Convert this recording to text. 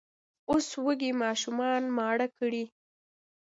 اوس وږي ماشومان ماړه کړئ!